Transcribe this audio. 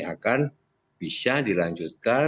akan bisa dilanjutkan